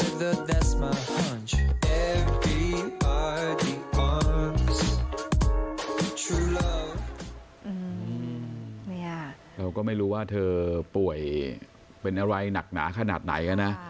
เราก็ไม่รู้ว่าเธอป่วยเป็นอะไรหนักหนาขนาดไหนนะ